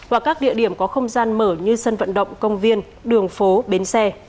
và các địa điểm có không gian mở như sân vận động công viên đường phố bến xe